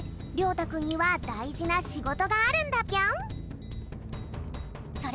たくんにはだいじなしごとがあるんだぴょん。